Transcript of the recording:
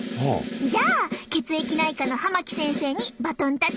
じゃあ血液内科の濱木先生にバトンタッチするよ。